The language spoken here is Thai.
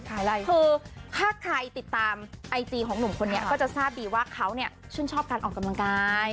คือถ้าใครติดตามไอจีของหนุ่มคนนี้ก็จะทราบดีว่าเขาเนี่ยชื่นชอบการออกกำลังกาย